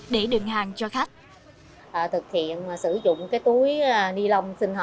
để đừng hàng cho khách